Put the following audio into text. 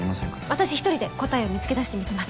私１人で答えを見つけだしてみせます。